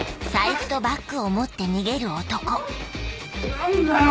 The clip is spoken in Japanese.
何だよ？